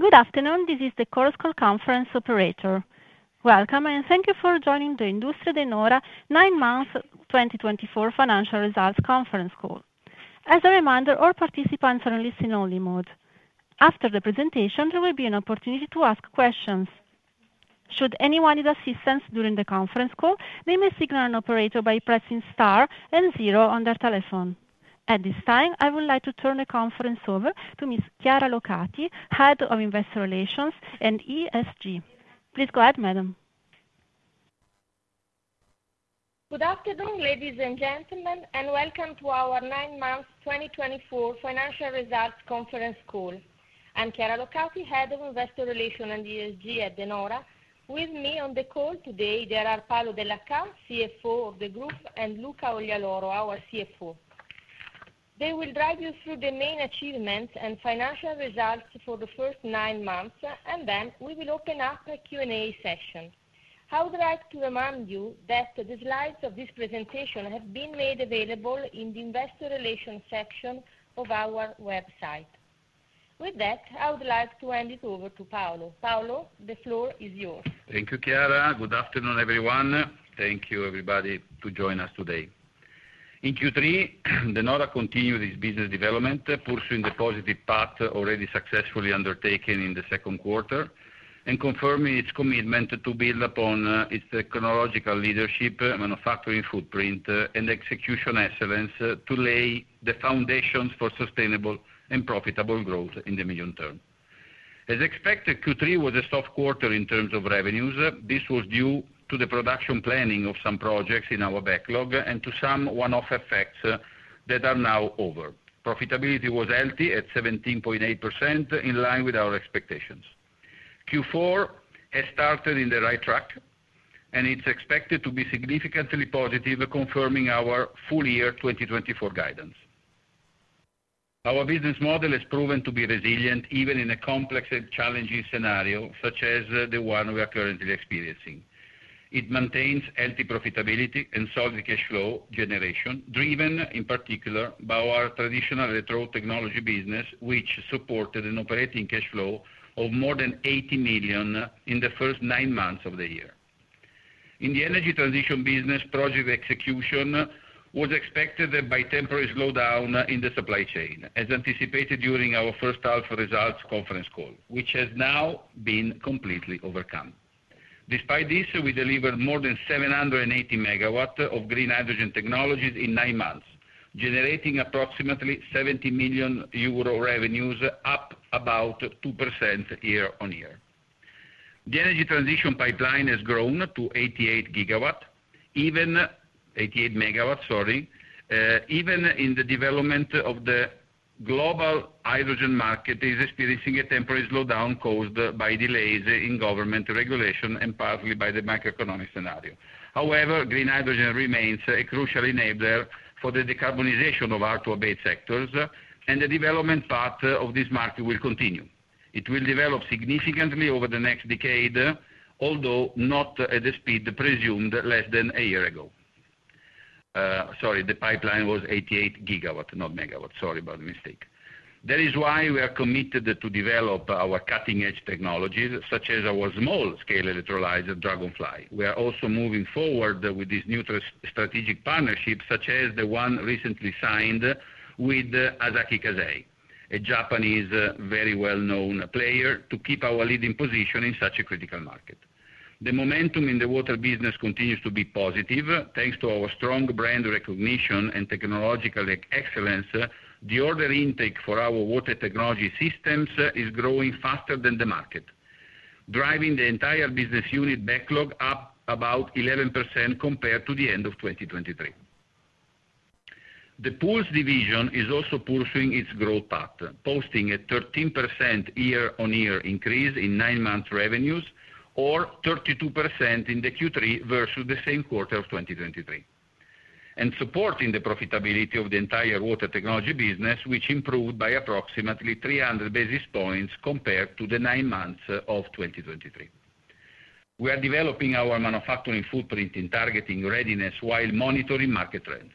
Good afternoon, this is the Chorus Call Conference Operator. Welcome, and thank you for joining the Industrie De Nora 9-Months 2024 Financial Results Conference Call. As a reminder, all participants are in listen-only mode. After the presentation, there will be an opportunity to ask questions. Should anyone need assistance during the conference call, they may signal an operator by pressing star and zero on their telephone. At this time, I would like to turn the conference over to Ms. Chiara Locati, Head of Investor Relations and ESG. Please go ahead, Madam. Good afternoon, ladies and gentlemen, and welcome to our 9-Months 2024 Financial Results Conference Call. I'm Chiara Locati, Head of Investor Relations and ESG at De Nora. With me on the call today, there are Paolo Dellachà, CEO of the Group, and Luca Oglialoro, our CFO. They will drive you through the main achievements and financial results for the first nine months, and then we will open up a Q&A session. I would like to remind you that the slides of this presentation have been made available in the Investor Relations section of our website. With that, I would like to hand it over to Paolo. Paolo, the floor is yours. Thank you, Chiara. Good afternoon, everyone. Thank you, everybody, for joining us today. In Q3, De Nora continued its business development, pursuing the positive path already successfully undertaken in the second quarter, and confirming its commitment to build upon its technological leadership, manufacturing footprint, and execution excellence to lay the foundations for sustainable and profitable growth in the medium term. As expected, Q3 was a soft quarter in terms of revenues. This was due to the production planning of some projects in our backlog and to some one-off effects that are now over. Profitability was healthy at 17.8%, in line with our expectations. Q4 has started on the right track, and it's expected to be significantly positive, confirming our full year 2024 guidance. Our business model has proven to be resilient even in a complex and challenging scenario such as the one we are currently experiencing. It maintains healthy profitability and solid cash flow generation, driven in particular by our traditional Electrode Technology business, which supported an operating cash flow of more than €80 million in the first nine months of the year. In the energy transition business, project execution was expected by a temporary slowdown in the supply chain, as anticipated during our first half of the results conference call, which has now been completely overcome. Despite this, we delivered more than 780 MW of green hydrogen technologies in nine months, generating approximately €70 million revenues, up about 2% year on year. The energy transition pipeline has grown to 88 MW, even in the development of the global hydrogen market, experiencing a temporary slowdown caused by delays in government regulation and partly by the macroeconomic scenario. However, green hydrogen remains a crucial enabler for the decarbonization of our two big sectors, and the development path of this market will continue. It will develop significantly over the next decade, although not at the speed presumed less than a year ago. Sorry, the pipeline was 88 GW, not MW. Sorry about the mistake. That is why we are committed to develop our cutting-edge technologies, such as our small-scale electrolyzer, Dragonfly. We are also moving forward with this new strategic partnership, such as the one recently signed with Asahi Kasei, a Japanese very well-known player, to keep our leading position in such a critical market. The momentum in the water business continues to be positive. Thanks to our strong brand recognition and technological excellence, the order intake for our water technology systems is growing faster than the market, driving the entire business unit backlog up about 11% compared to the end of 2023. The pools division is also pursuing its growth path, posting a 13% year-on-year increase in nine months revenues, or 32% in Q3 versus the same quarter of 2023, and supporting the profitability of the entire water technology business, which improved by approximately 300 basis points compared to the nine months of 2023. We are developing our manufacturing footprint in targeting readiness while monitoring market trends.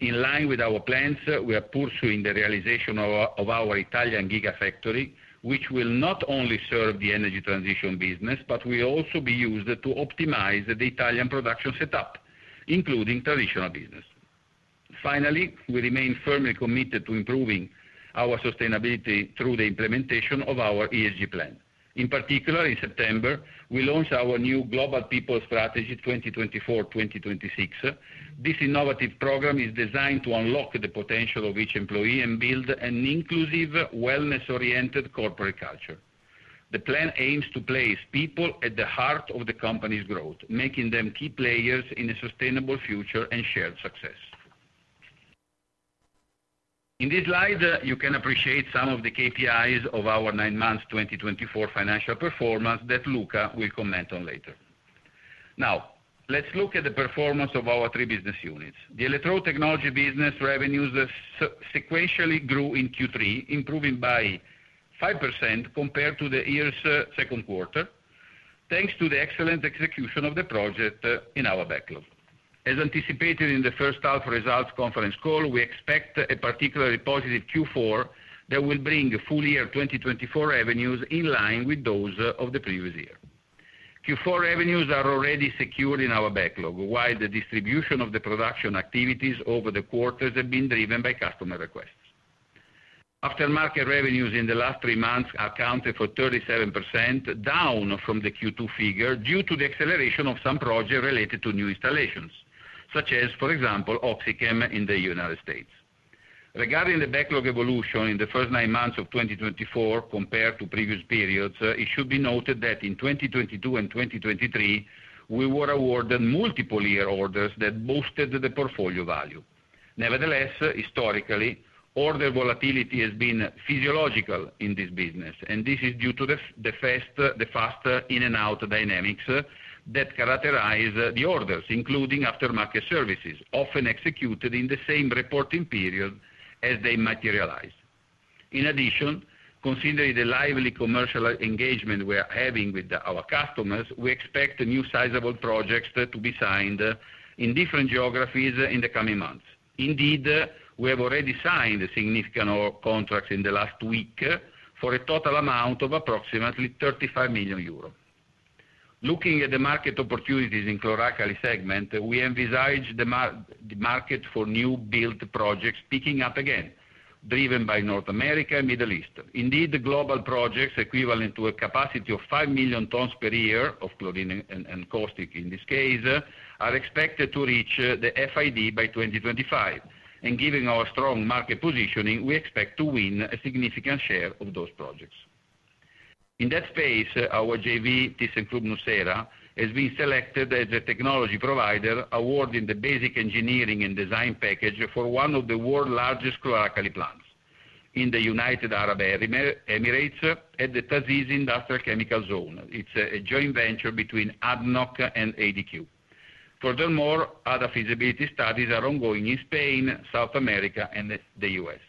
In line with our plans, we are pursuing the realization of our Italian gigafactory, which will not only serve the energy transition business, but will also be used to optimize the Italian production setup, including traditional business. Finally, we remain firmly committed to improving our sustainability through the implementation of our ESG plan. In particular, in September, we launched our new Global People Strategy 2024-2026. This innovative program is designed to unlock the potential of each employee and build an inclusive, wellness-oriented corporate culture. The plan aims to place people at the heart of the company's growth, making them key players in a sustainable future and shared success. In this slide, you can appreciate some of the KPIs of our 9-months 2024 financial performance that Luca will comment on later. Now, let's look at the performance of our three business units. The electrode technology business revenues sequentially grew in Q3, improving by 5% compared to the year's second quarter, thanks to the excellent execution of the project in our backlog. As anticipated in the first half of the results conference call, we expect a particularly positive Q4 that will bring full year 2024 revenues in line with those of the previous year. Q4 revenues are already secured in our backlog, while the distribution of the production activities over the quarters has been driven by customer requests. Aftermarket revenues in the last three months accounted for 37%, down from the Q2 figure due to the acceleration of some projects related to new installations, such as, for example, OxyChem in the United States. Regarding the backlog evolution in the first nine months of 2024 compared to previous periods, it should be noted that in 2022 and 2023, we were awarded multiple year orders that boosted the portfolio value. Nevertheless, historically, order volatility has been physiological in this business, and this is due to the fast in-and-out dynamics that characterize the orders, including aftermarket services, often executed in the same reporting period as they materialize. In addition, considering the lively commercial engagement we are having with our customers, we expect new sizable projects to be signed in different geographies in the coming months. Indeed, we have already signed significant contracts in the last week for a total amount of approximately 35 million euros. Looking at the market opportunities in the chlor-alkali segment, we envisage the market for new build projects picking up again, driven by North America and the Middle East. Indeed, global projects equivalent to a capacity of five million tons per year of chlorine and caustic, in this case, are expected to reach the FID by 2025. Given our strong market positioning, we expect to win a significant share of those projects. In that space, our JV, Thyssenkrupp Nucera, has been selected as a technology provider, awarding the basic engineering and design package for one of the world's largest chlor-alkali plants in the United Arab Emirates at the TA’ZIZ Industrial Chemicals Zone. It's a joint venture between ADNOC and ADQ. Furthermore, other feasibility studies are ongoing in Spain, South America, and the U.S.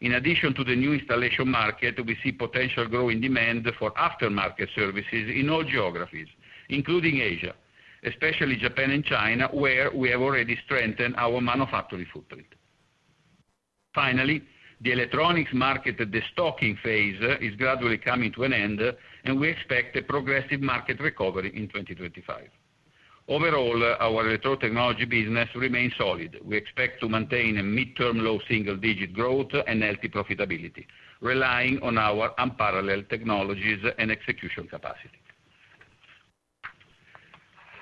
In addition to the new installation market, we see potential growing demand for aftermarket services in all geographies, including Asia, especially Japan and China, where we have already strengthened our manufacturing footprint. Finally, the electronics market, the stocking phase, is gradually coming to an end, and we expect a progressive market recovery in 2025. Overall, our retrofit technology business remains solid. We expect to maintain a mid-term low single-digit growth and healthy profitability, relying on our unparalleled technologies and execution capacity.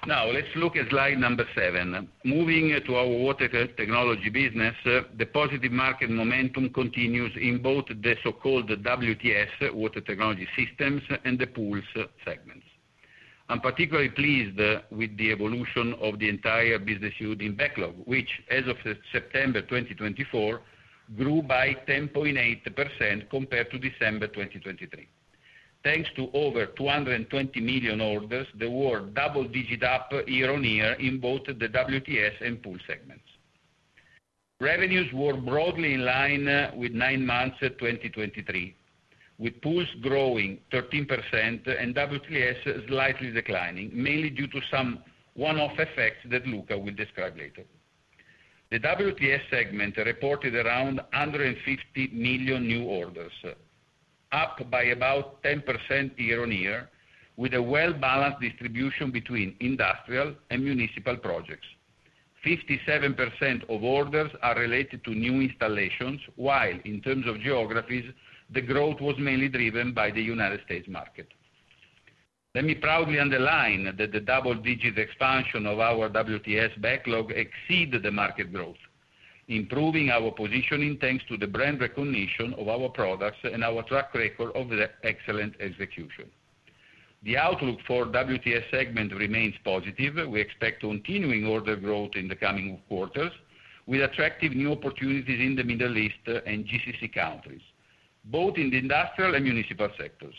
Now, let's look at slide number seven. Moving to our water technology business, the positive market momentum continues in both the so-called WTS water technology systems and the pools segments. I'm particularly pleased with the evolution of the entire business unit in backlog, which, as of September 2024, grew by 10.8% compared to December 2023. Thanks to over 220 million orders, we're double-digit up year-on-year in both the WTS and pools segments. Revenues were broadly in line with 9-months 2023, with pools growing 13% and WTS slightly declining, mainly due to some one-off effects that Luca will describe later. The WTS segment reported around 150 million new orders, up by about 10% year-on-year, with a well-balanced distribution between industrial and municipal projects. 57% of orders are related to new installations, while in terms of geographies, the growth was mainly driven by the United States market. Let me proudly underline that the double-digit expansion of our WTS backlog exceeds the market growth, improving our positioning thanks to the brand recognition of our products and our track record of excellent execution. The outlook for the WTS segment remains positive. We expect continuing order growth in the coming quarters, with attractive new opportunities in the Middle East and GCC countries, both in the industrial and municipal sectors.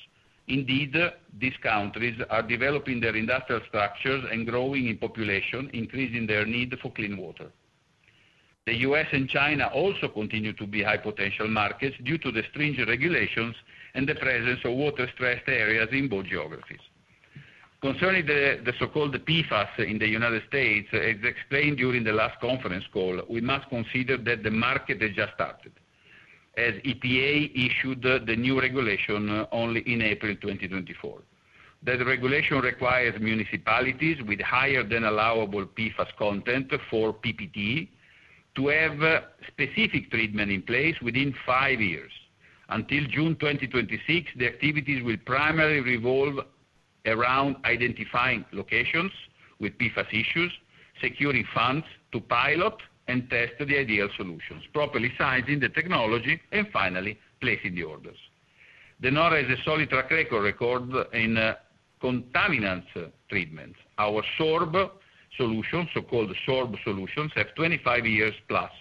Indeed, these countries are developing their industrial structures and growing in population, increasing their need for clean water. The U.S. and China also continue to be high-potential markets due to the stringent regulations and the presence of water-stressed areas in both geographies. Concerning the so-called PFAS in the United States, as explained during the last conference call, we must consider that the market has just started, as EPA issued the new regulation only in April 2024. That regulation requires municipalities with higher than allowable PFAS content in PPT to have specific treatment in place within five years. Until June 2026, the activities will primarily revolve around identifying locations with PFAS issues, securing funds to pilot and test the ideal solutions, properly sizing the technology, and finally placing the orders. De Nora has a solid track record in contaminants treatment. Our so-called SORB solutions have 25 years plus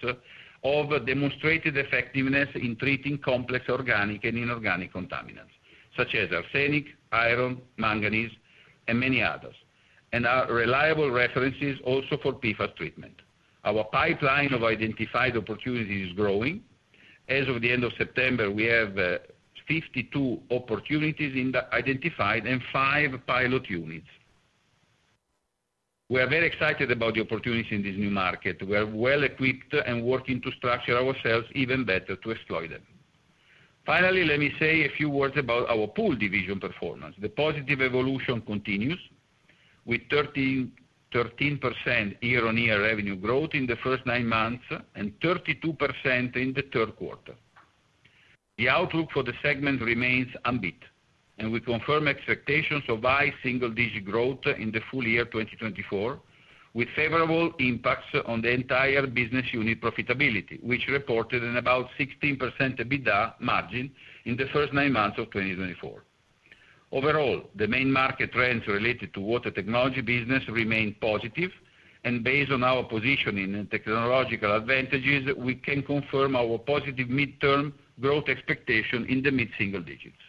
of demonstrated effectiveness in treating complex organic and inorganic contaminants, such as arsenic, iron, manganese, and many others, and are reliable references also for PFAS treatment. Our pipeline of identified opportunities is growing. As of the end of September, we have 52 opportunities identified and five pilot units. We are very excited about the opportunities in this new market. We are well equipped and working to structure ourselves even better to exploit them. Finally, let me say a few words about our pool division performance. The positive evolution continues with 13% year-on-year revenue growth in the first nine months and 32% in the third quarter. The outlook for the segment remains unbeaten, and we confirm expectations of high single-digit growth in the full year 2024, with favorable impacts on the entire business unit profitability, which reported about a 16% EBITDA margin in the first nine months of 2024. Overall, the main market trends related to water technology business remain positive, and based on our positioning and technological advantages, we can confirm our positive mid-term growth expectation in the mid-single digits.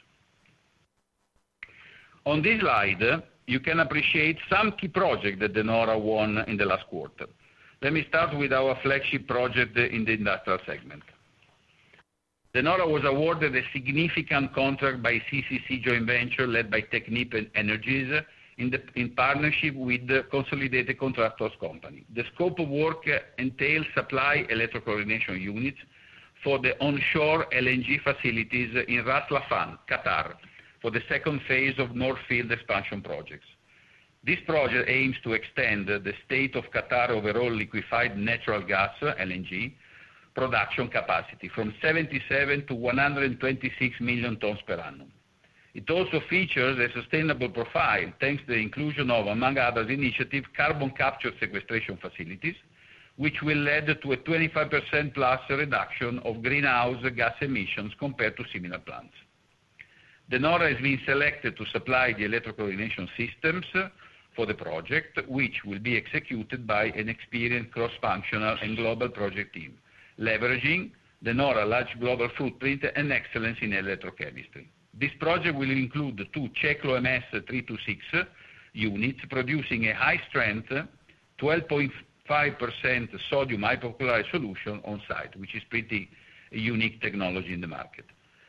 On this slide, you can appreciate some key projects that De Nora won in the last quarter. Let me start with our flagship project in the industrial segment. De Nora was awarded a significant contract by CCC Joint Venture, led by Technip Energies, in partnership with Consolidated Contractors Company. The scope of work entails supply of electrolytic chlorination units for the onshore LNG facilities in Ras Laffan, Qatar, for the second phase of North Field expansion projects. This project aims to extend the state of Qatar's overall liquefied natural gas (LNG) production capacity from 77 to 126 million tons per annum. It also features a sustainable profile thanks to the inclusion of, among other initiatives, carbon capture and sequestration facilities, which will lead to a 25% plus reduction of greenhouse gas emissions compared to similar plants. De Nora has been selected to supply the electrochemical systems for the project, which will be executed by an experienced cross-functional and global project team, leveraging De Nora's large global footprint and excellence in electrochemistry. This project will include two CECHLO-MS 326 units producing a high-strength 12.5% sodium hypochlorite solution on site, which is a pretty unique technology in the market.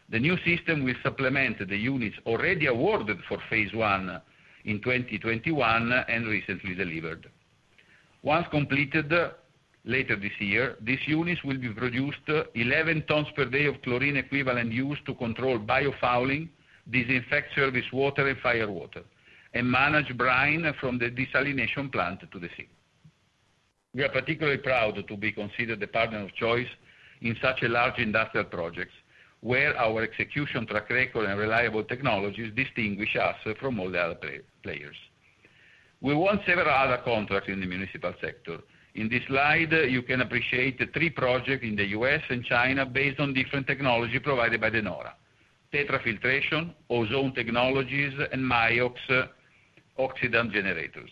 The new system will supplement the units already awarded for phase one in 2021 and recently delivered. Once completed later this year, these units will be producing 11 tons per day of chlorine equivalent used to control biofouling, disinfect service water, and fire water, and manage brine from the desalination plant to the sea. We are particularly proud to be considered the partner of choice in such large industrial projects, where our execution track record and reliable technologies distinguish us from all the other players. We won several other contracts in the municipal sector. In this slide, you can appreciate three projects in the U.S. and China based on different technologies provided by De Nora: TETRA Filtration, Ozone Technologies, and MIOX Oxidant Generators.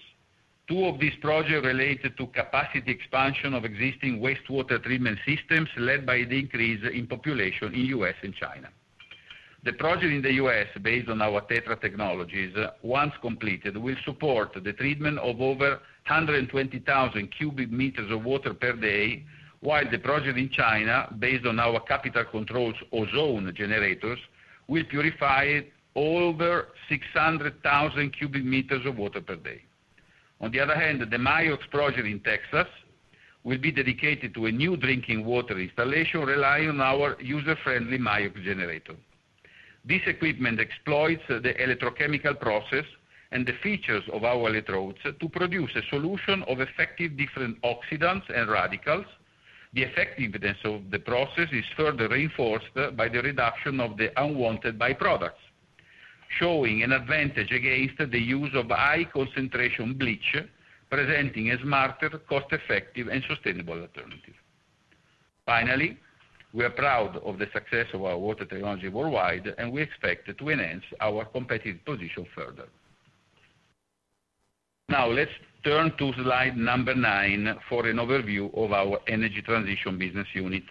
Two of these projects relate to capacity expansion of existing wastewater treatment systems led by the increase in population in the U.S. and China. The project in the U.S., based on our TETRA Technologies, once completed, will support the treatment of over 120,000 cubic meters of water per day, while the project in China, based on our Capital Controls Ozone Generators, will purify over 600,000 cubic meters of water per day. On the other hand, the MIOX project in Texas will be dedicated to a new drinking water installation relying on our user-friendly MIOX generator. This equipment exploits the electrochemical process and the features of our electrodes to produce a solution of effective different oxidants and radicals. The effectiveness of the process is further reinforced by the reduction of the unwanted byproducts, showing an advantage against the use of high-concentration bleach, presenting a smarter, cost-effective, and sustainable alternative. Finally, we are proud of the success of our water technology worldwide, and we expect to enhance our competitive position further. Now, let's turn to slide number nine for an overview of our energy transition business unit.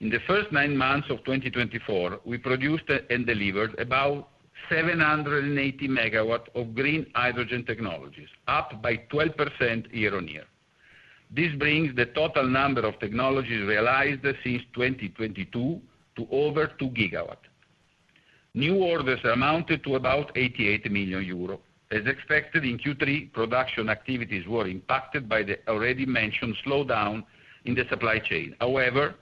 In the first 9-months of 2024, we produced and delivered about 780 MW of green hydrogen technologies, up by 12% year-on-year. This brings the total number of technologies realized since 2022 to over 2 GW. New orders amounted to about 88 million euro. As expected, in Q3, production activities were impacted by the already mentioned slowdown in the supply chain. However,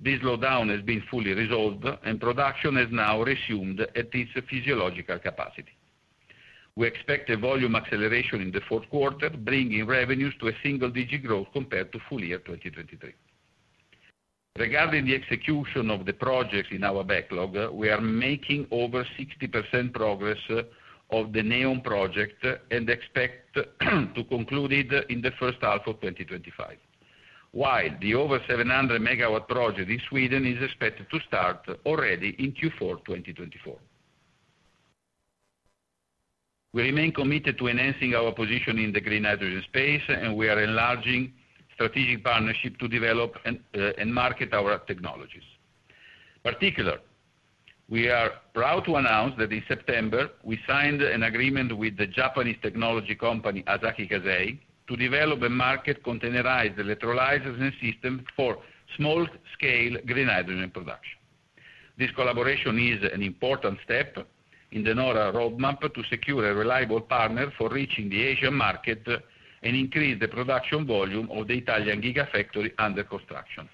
this slowdown has been fully resolved, and production has now resumed at its physiological capacity. We expect a volume acceleration in the fourth quarter, bringing revenues to a single-digit growth compared to full year 2023. Regarding the execution of the projects in our backlog, we are making over 60% progress of the NEOM project and expect to conclude it in the first half of 2025, while the over 700 MW project in Sweden is expected to start already in Q4 2024. We remain committed to enhancing our position in the green hydrogen space, and we are enlarging strategic partnerships to develop and market our technologies. In particular, we are proud to announce that in September, we signed an agreement with the Japanese technology company Asahi Kasei to develop a market containerized electrolyzer system for small-scale green hydrogen production. This collaboration is an important step in De Nora's roadmap to secure a reliable partner for reaching the Asian market and increase the production volume of the Italian Gigafactory under construction.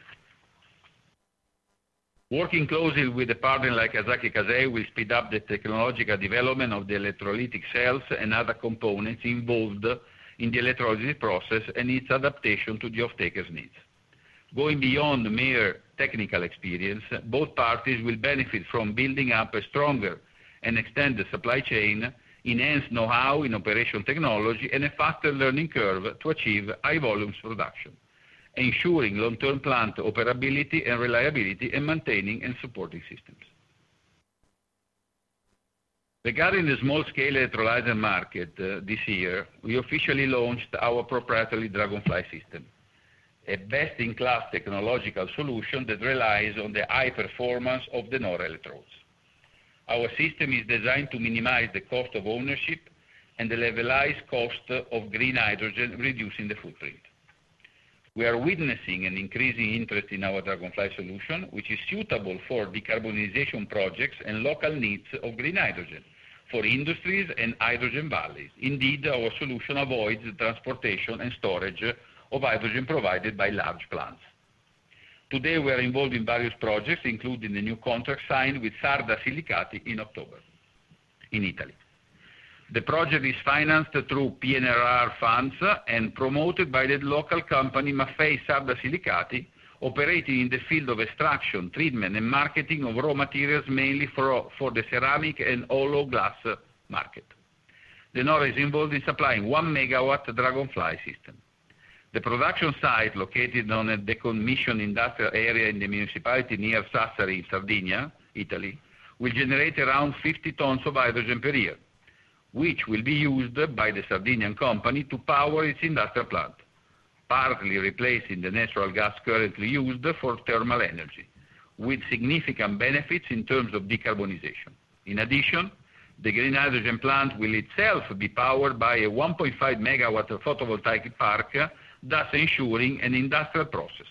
Working closely with a partner like Asahi Kasei will speed up the technological development of the electrolytic cells and other components involved in the electrolysis process and its adaptation to the off-taker's needs. Going beyond mere technical experience, both parties will benefit from building up a stronger and extended supply chain, enhanced know-how in operational technology, and a faster learning curve to achieve high-volume production, ensuring long-term plant operability and reliability and maintaining and supporting systems. Regarding the small-scale electrolyzer market this year, we officially launched our proprietary Dragonfly system, a best-in-class technological solution that relies on the high performance of De Nora electrodes. Our system is designed to minimize the cost of ownership and the levelized cost of green hydrogen, reducing the footprint. We are witnessing an increasing interest in our Dragonfly solution, which is suitable for decarbonization projects and local needs of green hydrogen for industries and hydrogen valleys. Indeed, our solution avoids the transportation and storage of hydrogen provided by large plants. Today, we are involved in various projects, including a new contract signed with Maffei Sarda Silicati in October in Italy. The project is financed through PNRR funds and promoted by the local company Maffei Sarda Silicati, operating in the field of extraction, treatment, and marketing of raw materials mainly for the ceramic and hollow glass market. De Nora is involved in supplying 1-MW Dragonfly system. The production site, located on a decommissioned industrial area in the municipality near Sassari in Sardinia, Italy, will generate around 50 tons of hydrogen per year, which will be used by the Sardinian company to power its industrial plant, partly replacing the natural gas currently used for thermal energy, with significant benefits in terms of decarbonization. In addition, the green hydrogen plant will itself be powered by a 1.5-MW photovoltaic park, thus ensuring an industrial process.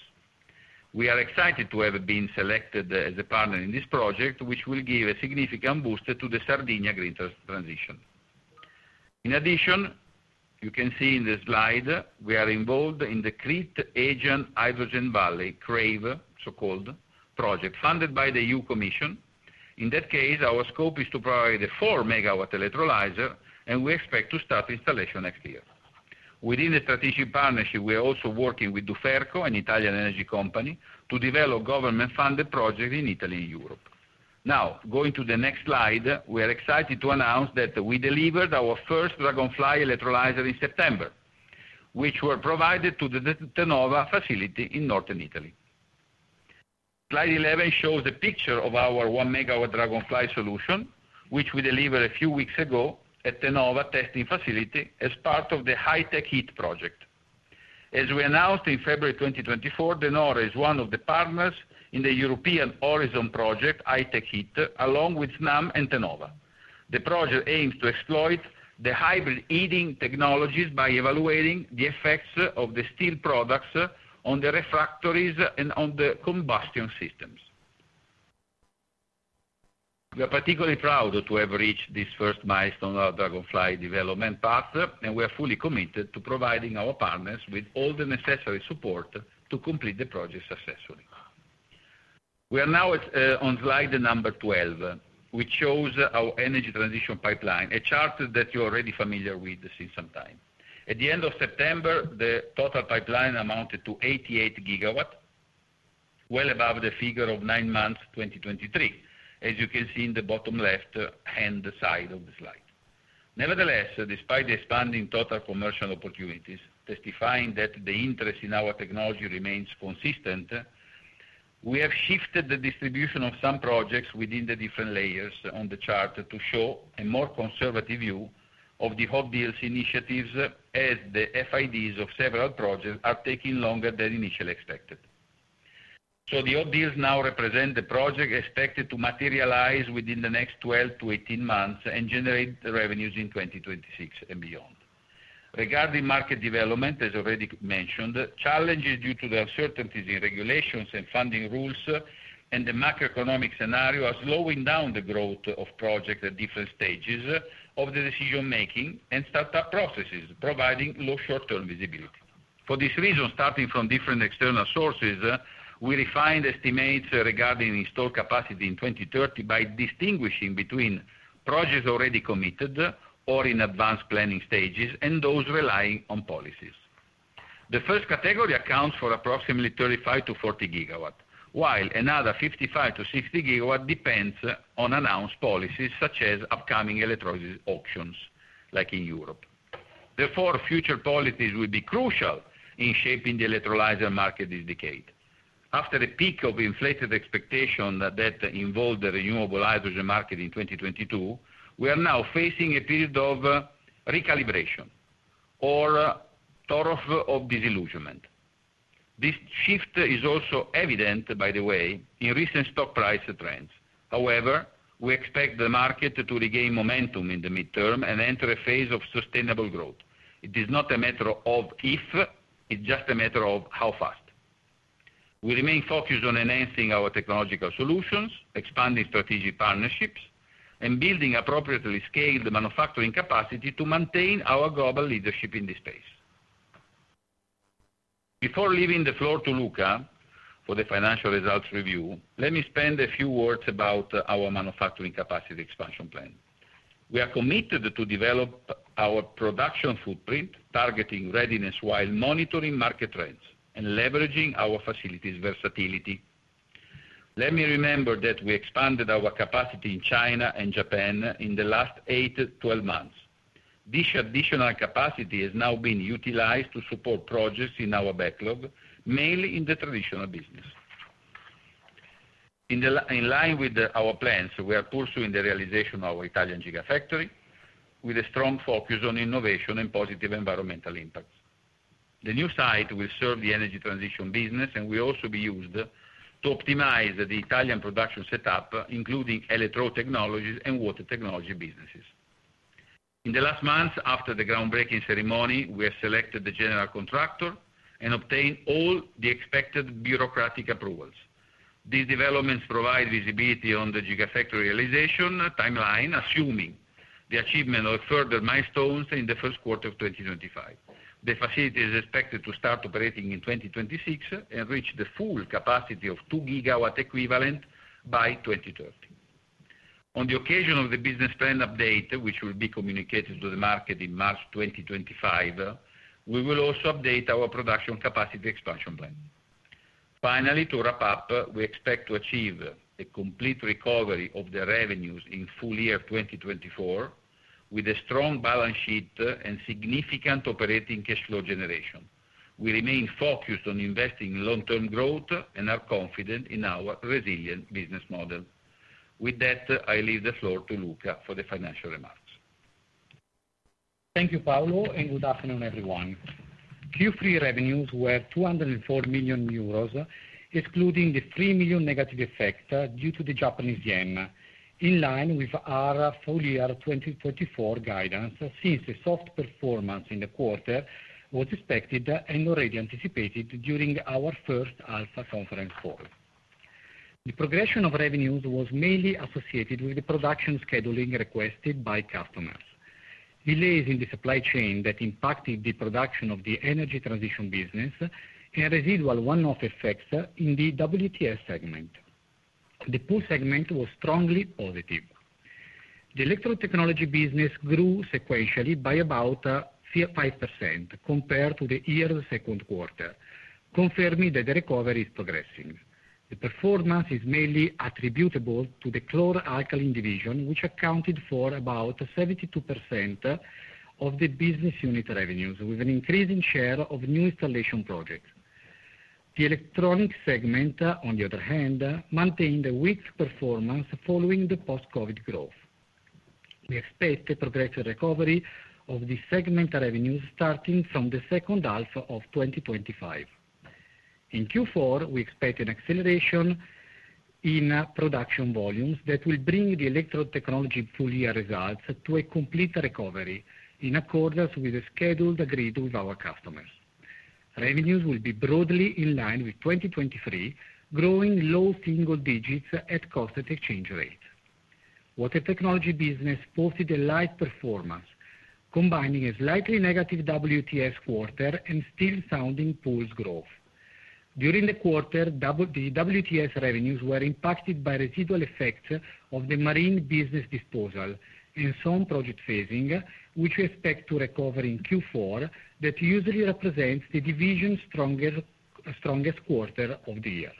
We are excited to have been selected as a partner in this project, which will give a significant boost to the Sardinia green transition. In addition, you can see in the slide, we are involved in the Crete Aegean Hydrogen Valley CRAVE, so-called project, funded by the EU Commission. In that case, our scope is to provide a 4 MW electrolyzer, and we expect to start installation next year. Within the strategic partnership, we are also working with Duferco, an Italian energy company, to develop government-funded projects in Italy and Europe. Now, going to the next slide, we are excited to announce that we delivered our first Dragonfly electrolyzer in September, which was provided to the De Nora facility in northern Italy. Slide 11 shows a picture of our 1 MW Dragonfly solution, which we delivered a few weeks ago at De Nora testing facility as part of the HyTechHeat project. As we announced in February 2024, De Nora is one of the partners in the European Horizon project, HyTechHeat, along with Snam and De Nora. The project aims to exploit the hybrid heating technologies by evaluating the effects of the steel products on the refractories and on the combustion systems. We are particularly proud to have reached this first milestone of our Dragonfly development path, and we are fully committed to providing our partners with all the necessary support to complete the project successfully. We are now on slide number 12, which shows our energy transition pipeline, a chart that you're already familiar with since some time. At the end of September, the total pipeline amounted to 88 GW, well above the figure of 9-months 2023, as you can see in the bottom left-hand side of the slide. Nevertheless, despite the expanding total commercial opportunities, testifying that the interest in our technology remains consistent, we have shifted the distribution of some projects within the different layers on the chart to show a more conservative view of the Hot Deals initiatives, as the FIDs of several projects are taking longer than initially expected. So the Hot Deals now represent the project expected to materialize within the next 12 to 18 months and generate revenues in 2026 and beyond. Regarding market development, as already mentioned, challenges due to the uncertainties in regulations and funding rules and the macroeconomic scenario are slowing down the growth of projects at different stages of the decision-making and startup processes, providing low short-term visibility. For this reason, starting from different external sources, we refined estimates regarding installed capacity in 2030 by distinguishing between projects already committed or in advanced planning stages and those relying on policies. The first category accounts for approximately 35-40 GW, while another 55-60 GW depends on announced policies, such as upcoming electrolysis auctions, like in Europe. Therefore, future policies will be crucial in shaping the electrolyzer market this decade. After a peak of inflated expectations that involved the renewable hydrogen market in 2022, we are now facing a period of recalibration, or trough of disillusionment. This shift is also evident, by the way, in recent stock price trends. However, we expect the market to regain momentum in the midterm and enter a phase of sustainable growth. It is not a matter of if. It's just a matter of how fast. We remain focused on enhancing our technological solutions, expanding strategic partnerships, and building appropriately scaled manufacturing capacity to maintain our global leadership in this space. Before leaving the floor to Luca for the financial results review, let me spend a few words about our manufacturing capacity expansion plan. We are committed to develop our production footprint, targeting readiness while monitoring market trends and leveraging our facilities' versatility. Let me remember that we expanded our capacity in China and Japan in the last eight to 12 months. This additional capacity has now been utilized to support projects in our backlog, mainly in the traditional business. In line with our plans, we are pursuing the realization of our Italian Gigafactory with a strong focus on innovation and positive environmental impacts. The new site will serve the energy transition business, and will also be used to optimize the Italian production setup, including electrode technologies and water technology businesses. In the last months, after the groundbreaking ceremony, we have selected the general contractor and obtained all the expected bureaucratic approvals. These developments provide visibility on the Gigafactory realization timeline, assuming the achievement of further milestones in the first quarter of 2025. The facility is expected to start operating in 2026 and reach the full capacity of 2 GW equivalent by 2030. On the occasion of the business plan update, which will be communicated to the market in March 2025, we will also update our production capacity expansion plan. Finally, to wrap up, we expect to achieve a complete recovery of the revenues in full year 2024 with a strong balance sheet and significant operating cash flow generation. We remain focused on investing in long-term growth and are confident in our resilient business model. With that, I leave the floor to Luca for the financial remarks. Thank you, Paolo, and good afternoon, everyone. Q3 revenues were 204 million euros, excluding the 3 million negative effect due to the Japanese yen, in line with our full year 2024 guidance, since a soft performance in the quarter was expected and already anticipated during our first half conference call. The progression of revenues was mainly associated with the production scheduling requested by customers, delays in the supply chain that impacted the production of the energy transition business, and residual one-off effects in the WTS segment. The pool segment was strongly positive. The electrode technology business grew sequentially by about 5% compared to the year's second quarter, confirming that the recovery is progressing. The performance is mainly attributable to the chlor-alkali division, which accounted for about 72% of the business unit revenues, with an increasing share of new installation projects. The electronics segment, on the other hand, maintained a weak performance following the post-COVID growth. We expect a progressive recovery of the segment revenues starting from the second half of 2025. In Q4, we expect an acceleration in production volumes that will bring the electrode technology full year results to a complete recovery in accordance with the schedule agreed with our customers. Revenues will be broadly in line with 2023, growing low single digits at constant exchange rate. Water technology business posted a slight performance, combining a slightly negative WTS quarter and still strong pools' growth. During the quarter, the WTS revenues were impacted by residual effects of the marine business disposal and some project phasing, which we expect to recover in Q4, that usually represents the division's strongest quarter of the year.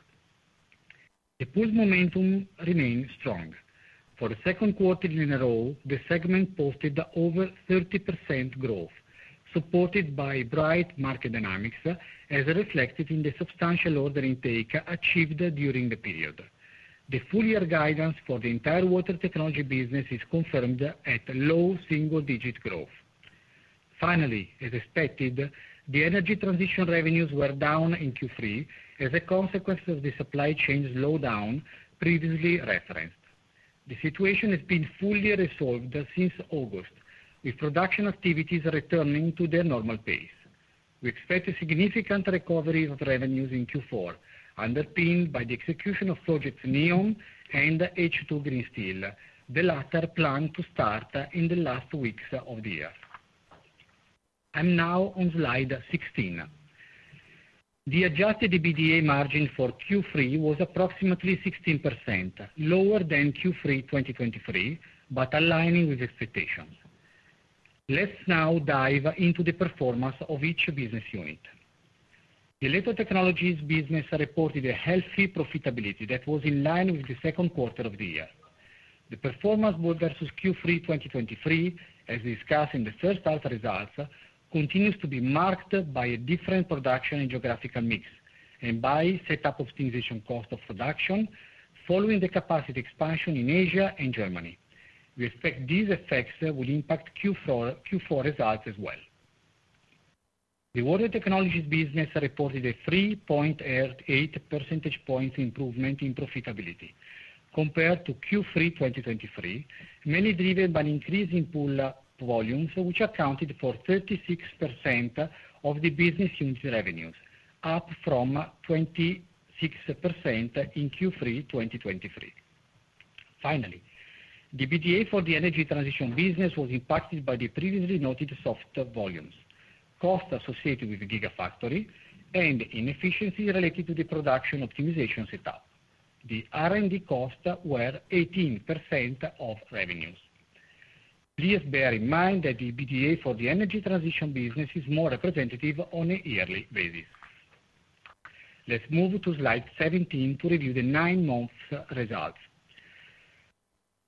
The pool's momentum remains strong. For the second quarter in a row, the segment posted over 30% growth, supported by bright market dynamics, as reflected in the substantial order intake achieved during the period. The full year guidance for the entire water technology business is confirmed at low single digit growth. Finally, as expected, the energy transition revenues were down in Q3 as a consequence of the supply chain's slowdown previously referenced. The situation has been fully resolved since August, with production activities returning to their normal pace. We expect a significant recovery of revenues in Q4, underpinned by the execution of projects NEOM and H2 Green Steel, the latter planned to start in the last weeks of the year. I'm now on slide 16. The Adjusted EBITDA margin for Q3 was approximately 16%, lower than Q3 2023, but aligning with expectations. Let's now dive into the performance of each business unit. The electrode technologies business reported a healthy profitability that was in line with the second quarter of the year. The performance versus Q3 2023, as discussed in the first half results, continues to be marked by a different production and geographical mix and by setup optimization cost of production following the capacity expansion in Asia and Germany. We expect these effects will impact Q4 results as well. The water technologies business reported a 3.8 percentage points improvement in profitability compared to Q3 2023, mainly driven by an increase in pool volumes, which accounted for 36% of the business unit revenues, up from 26% in Q3 2023. Finally, the EBITDA for the energy transition business was impacted by the previously noted soft volumes, cost associated with Gigafactory, and inefficiency related to the production optimization setup. The R&D costs were 18% of revenues. Please bear in mind that the EBITDA for the energy transition business is more representative on an yearly basis. Let's move to slide 17 to review the nine-month results.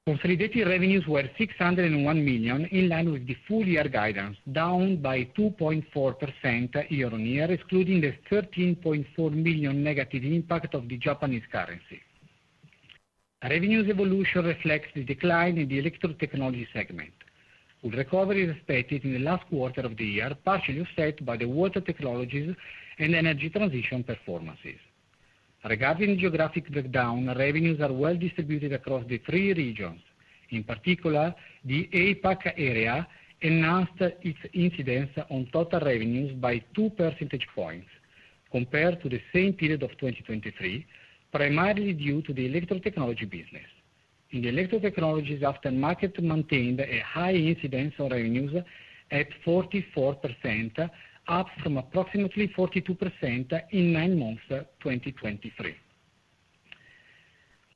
Consolidated revenues were 601 million, in line with the full year guidance, down by 2.4% year-on-year, excluding the 13.4 million negative impact of the Japanese currency. Revenues evolution reflects the decline in the electrode technology segment. Recovery is expected in the last quarter of the year, partially set by the water technologies and energy transition performances. Regarding geographic breakdown, revenues are well distributed across the three regions. In particular, the APAC area announced its incidence on total revenues by two percentage points compared to the same period of 2023, primarily due to the electrode technology business. In the electrode technologies aftermarket, maintained a high incidence on revenues at 44%, up from approximately 42% in 9-months 2023.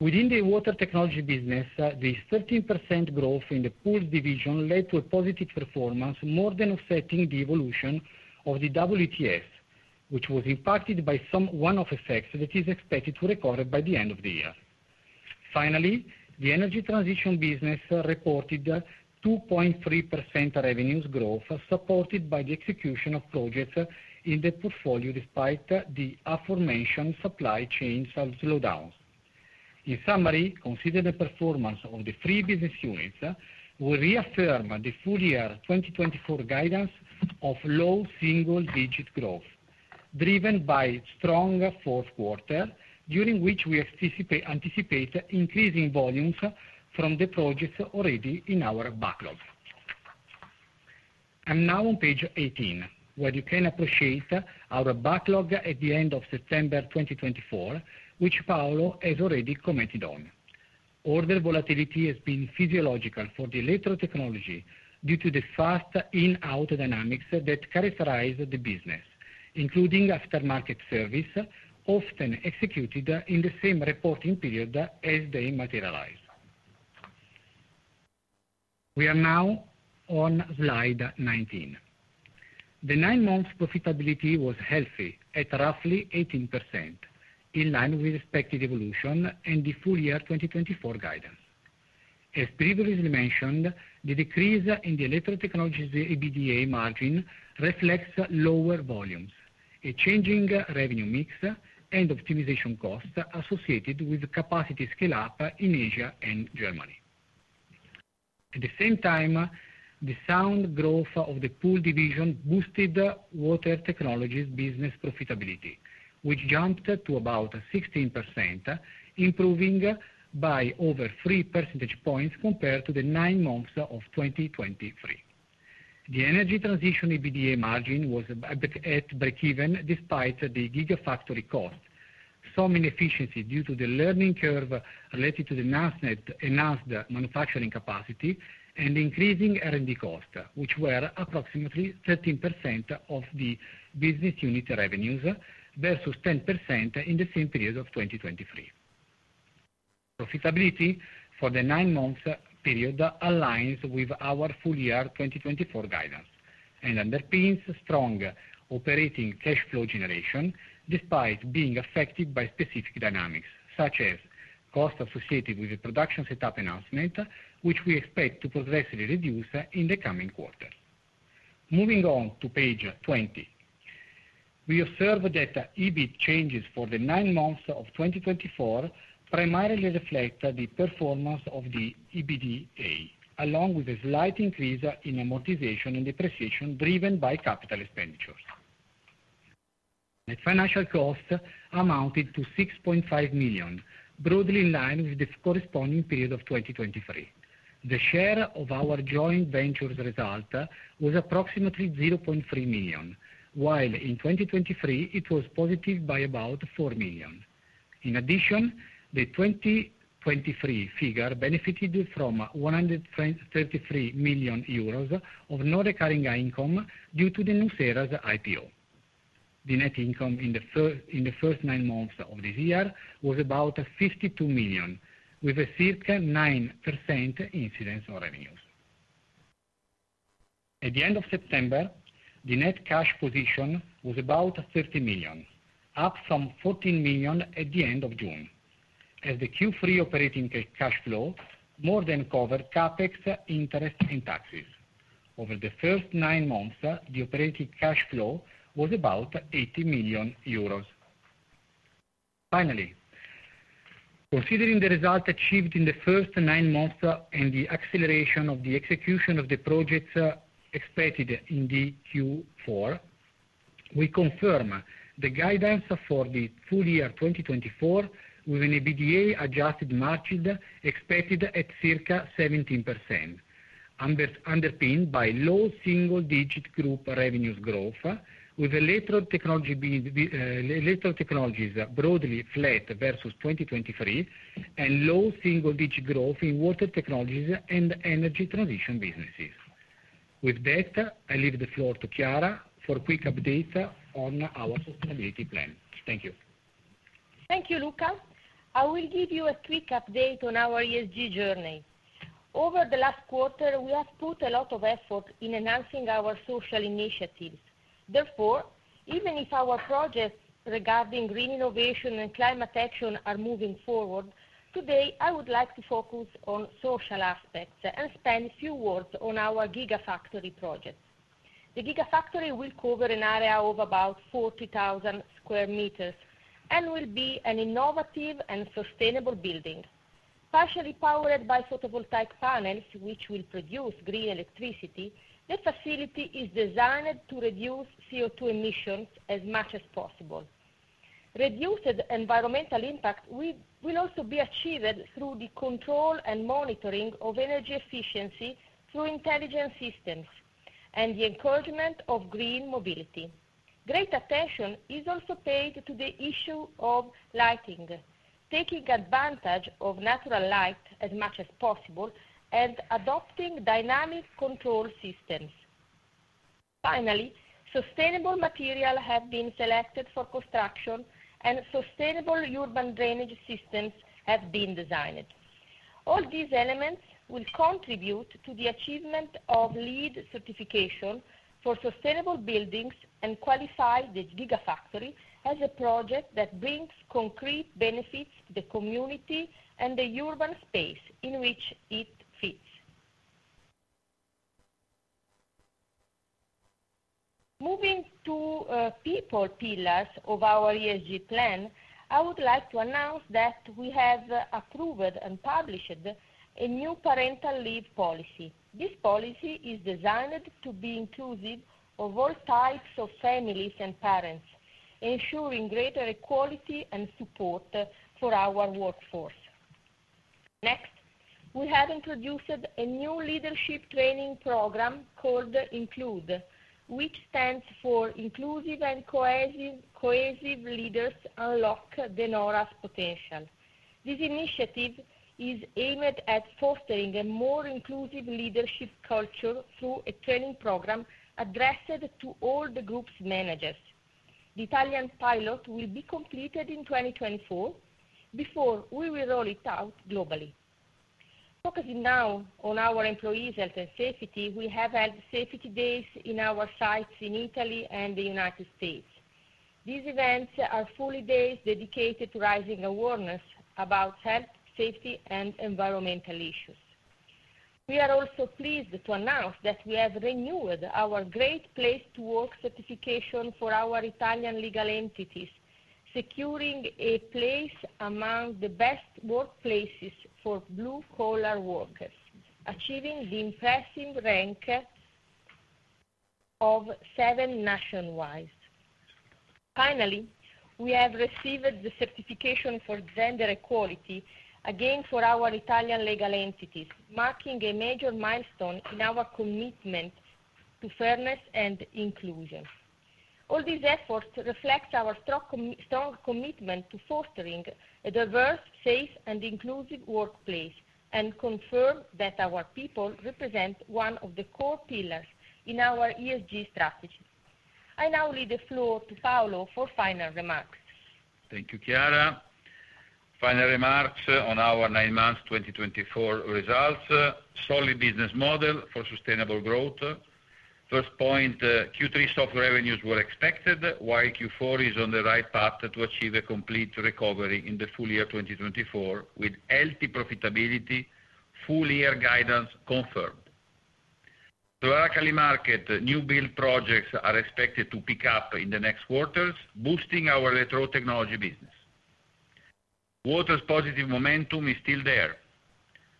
Within the water technology business, the 13% growth in the pool division led to a positive performance, more than offsetting the evolution of the WTS, which was impacted by some one-off effects that is expected to recover by the end of the year. Finally, the energy transition business reported 2.3% revenues growth, supported by the execution of projects in the portfolio, despite the aforementioned supply chain slowdowns. In summary, considering the performance of the three business units, we reaffirm the full year 2024 guidance of low single digit growth, driven by strong fourth quarter, during which we anticipate increasing volumes from the projects already in our backlog. I'm now on page 18, where you can appreciate our backlog at the end of September 2024, which Paolo has already commented on. Order volatility has been physiological for the electrode technology due to the fast in-out dynamics that characterize the business, including aftermarket service, often executed in the same reporting period as they materialize. We are now on slide 19. The nine-month profitability was healthy at roughly 18%, in line with expected evolution and the full year 2024 guidance. As previously mentioned, the decrease in the electrode technologies EBITDA margin reflects lower volumes, a changing revenue mix, and optimization costs associated with capacity scale-up in Asia and Germany. At the same time, the sound growth of the pool division boosted water technologies business profitability, which jumped to about 16%, improving by over three percentage points compared to the nine months of 2023. The energy transition EBITDA margin was at break-even despite the Gigafactory cost, some inefficiency due to the learning curve related to the announced manufacturing capacity, and increasing R&D costs, which were approximately 13% of the business unit revenues versus 10% in the same period of 2023. Profitability for the nine-month period aligns with our full year 2024 guidance and underpins strong operating cash flow generation, despite being affected by specific dynamics, such as costs associated with the production setup announcement, which we expect to progressively reduce in the coming quarter. Moving on to page 20, we observe that EBIT changes for the nine months of 2024 primarily reflect the performance of the EBITDA, along with a slight increase in amortization and depreciation driven by capital expenditures. The financial costs amounted to 6.5 million, broadly in line with the corresponding period of 2023. The share of our joint ventures result was approximately 0.3 million, while in 2023 it was positive by about 4 million. In addition, the 2023 figure benefited from 133 million euros of non-recurring income due to the nucera's IPO. The net income in the first nine months of this year was about 52 million, with a circa 9% incidence on revenues. At the end of September, the net cash position was about 30 million, up from 14 million at the end of June, as the Q3 operating cash flow more than covered CapEx, interest, and taxes. Over the first nine months, the operating cash flow was about 80 million euros. Finally, considering the result achieved in the first nine months and the acceleration of the execution of the projects impacted in the Q4, we confirm the guidance for the full year 2024, with an Adjusted EBITDA margin expected at circa 17%, underpinned by low single digit group revenues growth, with electrode technologies broadly flat versus 2023, and low single digit growth in water technologies and energy transition businesses. With that, I leave the floor to Chiara for a quick update on our sustainability plan. Thank you. Thank you, Luca. I will give you a quick update on our ESG journey. Over the last quarter, we have put a lot of effort in announcing our social initiatives. Therefore, even if our projects regarding green innovation and climate action are moving forward, today I would like to focus on social aspects and spend a few words on our Gigafactory project. The Gigafactory will cover an area of about 40,000 square meters and will be an innovative and sustainable building, partially powered by photovoltaic panels, which will produce green electricity. The facility is designed to reduce CO2 emissions as much as possible. Reduced environmental impact will also be achieved through the control and monitoring of energy efficiency through intelligent systems and the encouragement of green mobility. Great attention is also paid to the issue of lighting, taking advantage of natural light as much as possible and adopting dynamic control systems. Finally, sustainable materials have been selected for construction, and sustainable urban drainage systems have been designed. All these elements will contribute to the achievement of LEED certification for sustainable buildings and qualify the Gigafactory as a project that brings concrete benefits to the community and the urban space in which it fits. Moving to the pillar of our ESG plan, I would like to announce that we have approved and published a new parental leave policy. This policy is designed to be inclusive of all types of families and parents, ensuring greater equality and support for our workforce. Next, we have introduced a new leadership training program called INCLUDE, which stands for Inclusive and Cohesive Leaders Unlock De Nora's Potential. This initiative is aimed at fostering a more inclusive leadership culture through a training program addressed to all the group's managers. The Italian pilot will be completed in 2024 before we roll it out globally. Focusing now on our employees' health and safety, we have health safety days in our sites in Italy and the United States. These events are fully dedicated to raising awareness about health, safety, and environmental issues. We are also pleased to announce that we have renewed our Great Place to Work certification for our Italian legal entities, securing a place among the best workplaces for blue-collar workers, achieving the impressive rank of seven nationwide. Finally, we have received the certification for gender equality, again for our Italian legal entities, marking a major milestone in our commitment to fairness and inclusion. All these efforts reflect our strong commitment to fostering a diverse, safe, and inclusive workplace and confirm that our people represent one of the core pillars in our ESG strategy. I now leave the floor to Paolo for final remarks. Thank you, Chiara. Final remarks on our 9-month 2024 results. Solid business model for sustainable growth. First point, Q3 soft revenues were expected, while Q4 is on the right path to achieve a complete recovery in the full year 2024, with healthy profitability. Full year guidance confirmed. The local market, new build projects are expected to pick up in the next quarters, boosting our electrode technology business. Water's positive momentum is still there,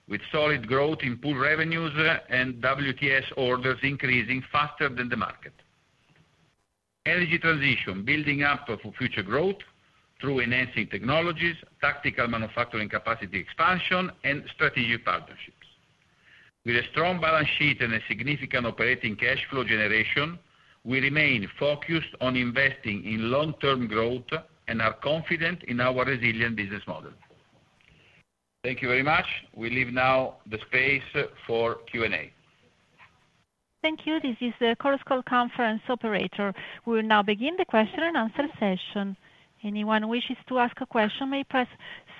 with solid growth in pool revenues and WTS orders increasing faster than the market. Energy transition, building up for future growth through enhancing technologies, tactical manufacturing capacity expansion, and strategic partnerships. With a strong balance sheet and a significant operating cash flow generation, we remain focused on investing in long-term growth and are confident in our resilient business model. Thank you very much. We leave now the space for Q&A. Thank you. This is the Chorus Call Conference operator. We will now begin the question and answer session. Anyone wishes to ask a question may press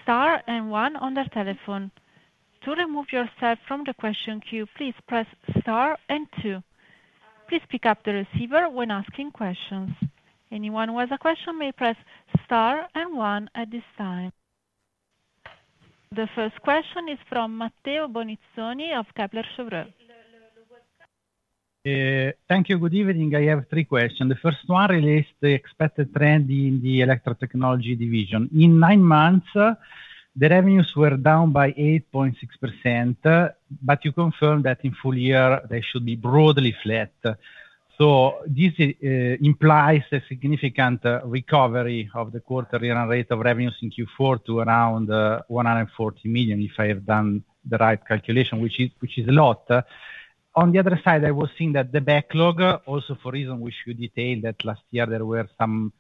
star and one on their telephone. To remove yourself from the question queue, please press star and two. Please pick up the receiver when asking questions. Anyone who has a question may press star and one at this time. The first question is from Matteo Bonizzoni of Kepler Cheuvreux. Thank you. Good evening. I have three questions. The first one relates to the expected trend in the electrode technology division. In nine months, the revenues were down by 8.6%, but you confirmed that in full year they should be broadly flat. So this implies a significant recovery of the quarterly run rate of revenues in Q4 to around 140 million, if I have done the right calculation, which is a lot. On the other side, I was seeing that the backlog, also for a reason which you detailed, that last year there were some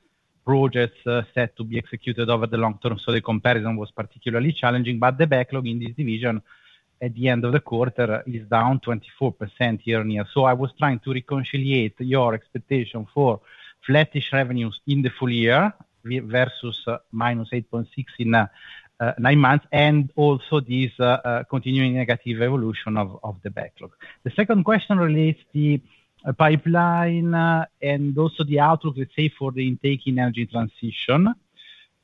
projects set to be executed over the long term, so the comparison was particularly challenging. But the backlog in this division at the end of the quarter is down 24% year on year. So I was trying to reconcile your expectation for flattish revenues in the full year versus minus 8.6 in nine months, and also this continuing negative evolution of the backlog. The second question relates to the pipeline and also the outlook, let's say, for the intake in energy transition.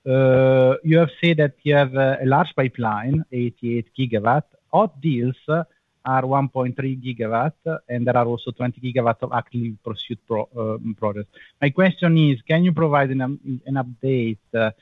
You have said that you have a large pipeline, 88 GW. Hot Deals are 1.3 GW, and there are also 20 GW of actively pursued projects. My question is, can you provide an update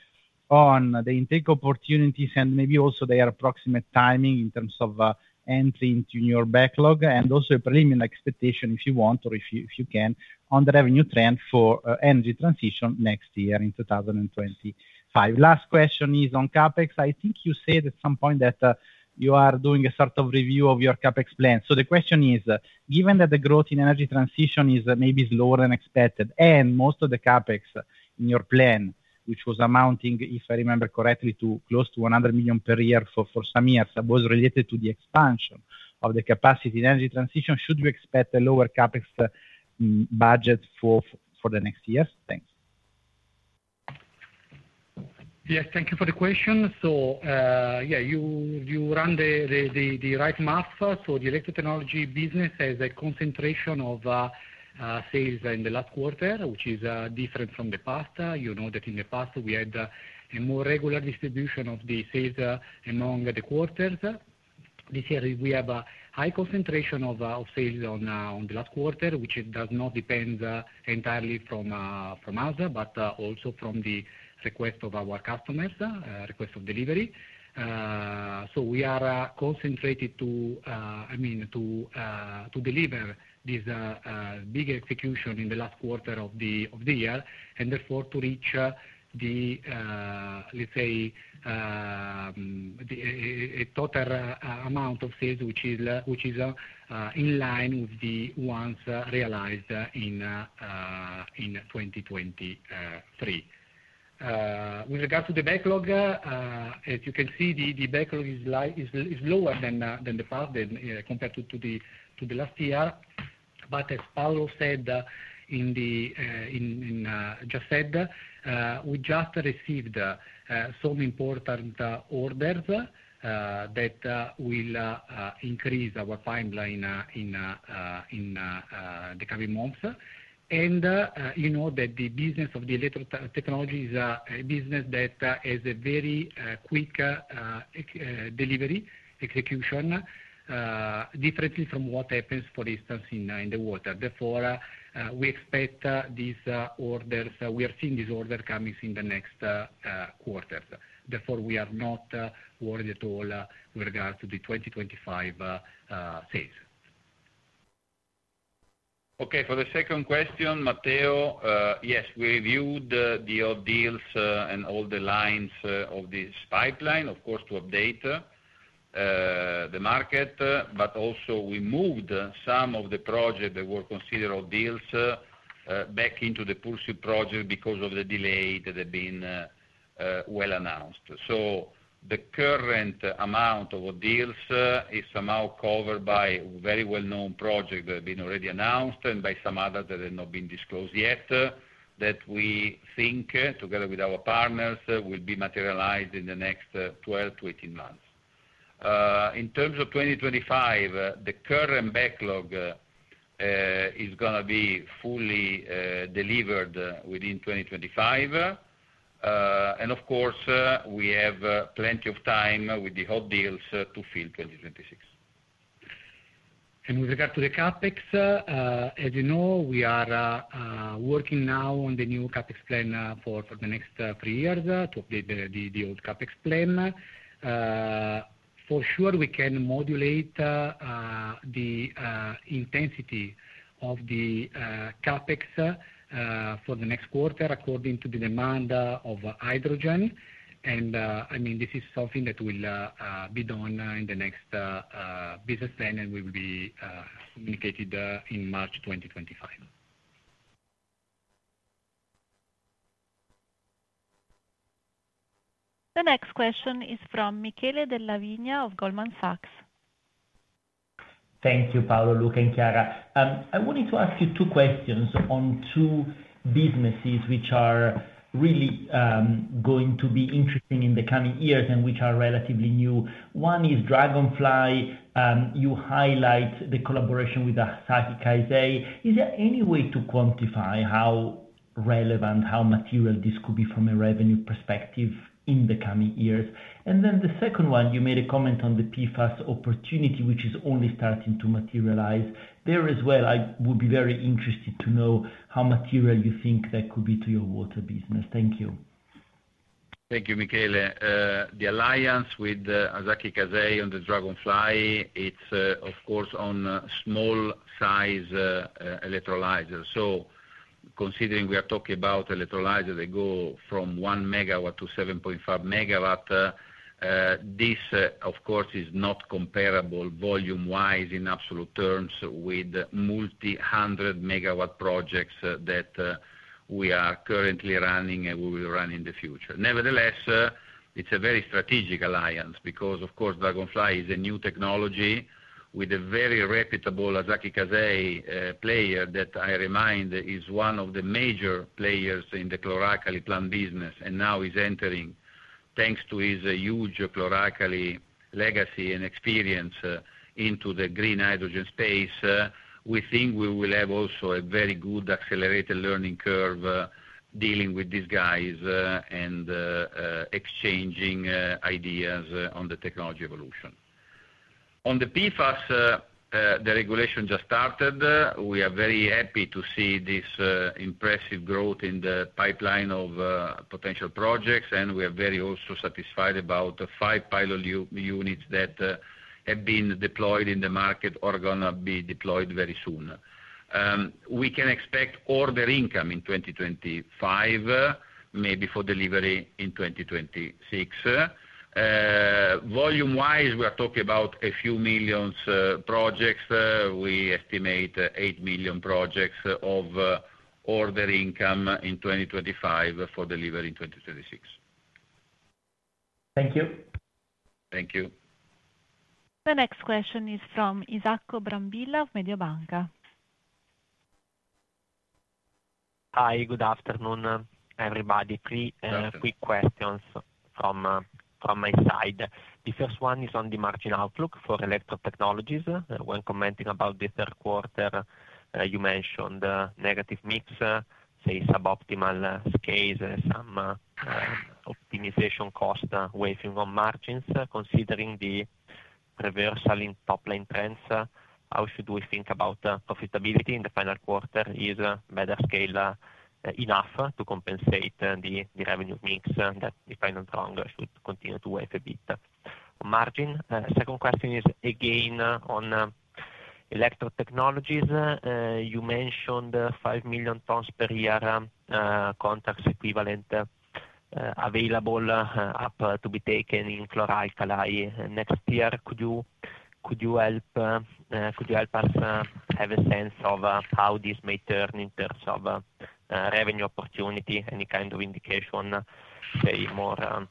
on the intake opportunities and maybe also their approximate timing in terms of entry into your backlog, and also a preliminary expectation, if you want or if you can, on the revenue trend for energy transition next year in 2025? Last question is on CapEx. I think you said at some point that you are doing a sort of review of your CapEx plan. So the question is, given that the growth in energy transition is maybe slower than expected, and most of the CapEx in your plan, which was amounting, if I remember correctly, to close to 100 million per year for some years, was related to the expansion of the capacity in energy transition, should you expect a lower CapEx budget for the next year? Thanks. Yes, thank you for the question. So yeah, you run the right math. So the electrode technology business has a concentration of sales in the last quarter, which is different from the past. You know that in the past we had a more regular distribution of the sales among the quarters. This year we have a high concentration of sales on the last quarter, which does not depend entirely from us, but also from the request of our customers, request of delivery. So we are concentrated to, I mean, to deliver this big execution in the last quarter of the year and therefore to reach the, let's say, a total amount of sales which is in line with the ones realized in 2023. With regard to the backlog, as you can see, the backlog is lower than the past compared to the last year. But as Paolo said, and just said, we just received some important orders that will increase our pipeline in the coming months. And you know that the business of the electrode technology is a business that has a very quick delivery execution, differently from what happens, for instance, in the water. Therefore, we expect these orders. We are seeing these orders coming in the next quarters. Therefore, we are not worried at all with regard to the 2025 sales. Okay, for the second question, Matteo, yes, we reviewed the old deals and all the lines of this pipeline, of course, to update the market, but also we moved some of the projects that were considered old deals back into the pursuit project because of the delay that had been well announced. So the current amount of old deals is somehow covered by very well-known projects that have been already announced and by some others that have not been disclosed yet that we think, together with our partners, will be materialized in the next 12 to 18 months. In terms of 2025, the current backlog is going to be fully delivered within 2025. And of course, we have plenty of time with the Hot Deals to fill 2026. And with regard to the CapEx, as you know, we are working now on the new CapEx plan for the next three years to update the old CapEx plan. For sure, we can modulate the intensity of the CapEx for the next quarter according to the demand of hydrogen. And I mean, this is something that will be done in the next business plan, and we will be communicated in March 2025. The next question is from Michele Della Vigna of Goldman Sachs. Thank you, Paolo, Luca, and Chiara. I wanted to ask you two questions on two businesses which are really going to be interesting in the coming years and which are relatively new. One is Dragonfly. You highlight the collaboration with Asahi Kasei. Is there any way to quantify how relevant, how material this could be from a revenue perspective in the coming years? And then the second one, you made a comment on the PFAS opportunity, which is only starting to materialize. There as well, I would be very interested to know how material you think that could be to your water business. Thank you. Thank you, Michele. The alliance with Asahi Kasei on the Dragonfly, it's of course on small-sized electrolyzers. Considering we are talking about electrolyzers that go from 1 MW to 7.5 MW, this, of course, is not comparable volume-wise in absolute terms with multi-hundred megawatt projects that we are currently running and we will run in the future. Nevertheless, it's a very strategic alliance because, of course, Dragonfly is a new technology with a very reputable Asahi Kasei player that I remind is one of the major players in the chlor-alkali plant business and now is entering, thanks to his huge chlor-alkali legacy and experience, into the green hydrogen space. We think we will have also a very good accelerated learning curve dealing with these guys and exchanging ideas on the technology evolution. On the PFAS, the regulation just started. We are very happy to see this impressive growth in the pipeline of potential projects, and we are very also satisfied about five pilot units that have been deployed in the market or are going to be deployed very soon. We can expect order income in 2025, maybe for delivery in 2026. Volume-wise, we are talking about a few million projects. We estimate eight million projects of order income in 2025 for delivery in 2026. Thank you. Thank you. The next question is from Isacco Brambilla of Mediobanca. Hi, good afternoon, everybody. Three quick questions from my side. The first one is on the margin outlook for electrode technologies. When commenting about the third quarter, you mentioned negative mix, say, suboptimal scales, some optimization costs weighing on margins. Considering the reversal in top-line trends, how should we think about profitability in the final quarter? Is the better scale enough to compensate for the revenue mix that the funding should continue to weigh a bit on margin? Second question is, again, on electrode technologies. You mentioned five million tons per year contracts equivalent available up to be taken in chlor-alkali next year. Could you help us have a sense of how this may turn in terms of revenue opportunity? Any kind of indication, say, more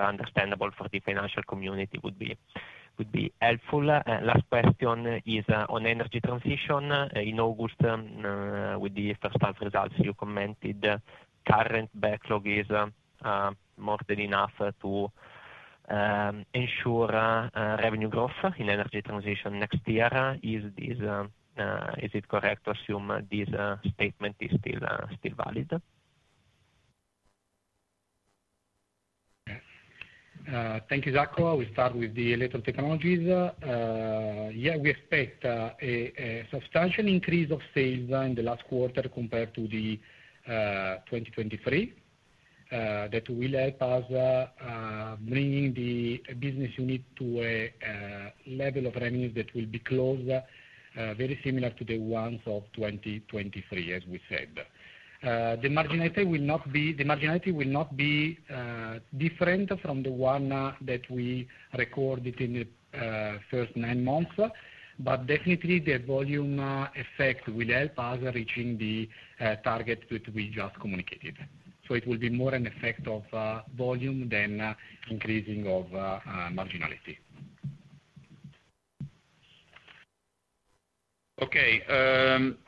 understandable for the financial community would be helpful. Last question is on energy transition. In August, with the first-half results, you commented current backlog is more than enough to ensure revenue growth in energy transition next year. Is it correct to assume this statement is still valid? Thank you, Isacco. We start with the electrode technologies. Yeah, we expect a substantial increase of sales in the last quarter compared to 2023 that will help us bring the business unit to a level of revenues that will be close, very similar to the ones of 2023, as we said. The marginality will not be different from the one that we recorded in the first nine months, but definitely the volume effect will help us reaching the target that we just communicated. So it will be more an effect of volume than increasing of marginality. Okay.